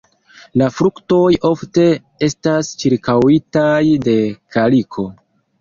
La fruktoj ofte estas ĉirkaŭitaj de kaliko.